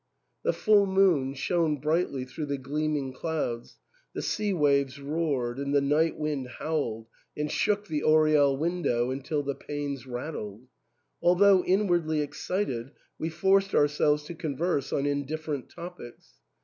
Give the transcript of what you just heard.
The full moon shone brightly through the gleaming clouds, the sea waves roared, and the night wind howled and shook the oriel window till the panes rattled. Although inwardly excited, we forced ourselves to converse on indifferent topics.